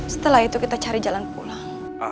setelah itu kita cari jalan pulang